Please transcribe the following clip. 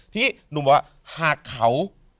ที่หนุ่มบอกว่าหากเขา